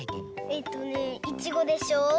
えっとねいちごでしょ。